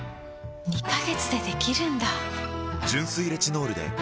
２カ月でできるんだ！